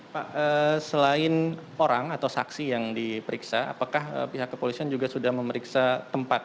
pak selain orang atau saksi yang diperiksa apakah pihak kepolisian juga sudah memeriksa tempat